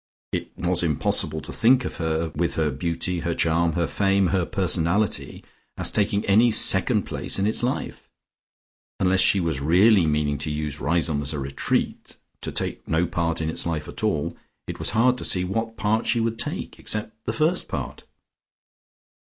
It was impossible to think of her with her beauty, her charm, her fame, her personality as taking any second place in its life. Unless she was really meaning to use Riseholme as a retreat, to take no part in its life at all, it was hard to see what part she would take except the first part.